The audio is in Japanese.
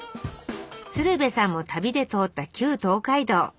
鶴瓶さんも旅で通った旧東海道。